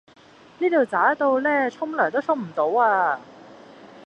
呢度渣到呢沖涼都沖唔到啊